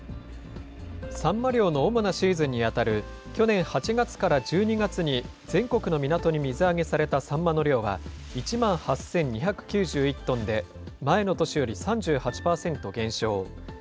サンマ漁の主なシーズンにあたる去年８月から１２月に、全国の港に水揚げされたサンマの量は、１万８２９１トンで、前の年より３８％減少。